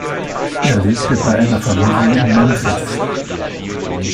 Er lebte bei einer Familie in Memphis.